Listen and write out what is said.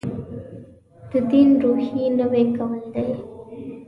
تدین روحیې نوي کول دی.